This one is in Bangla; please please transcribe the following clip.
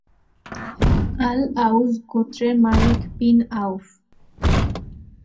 আল-আউস গোত্রের মালিক বিন আউফ।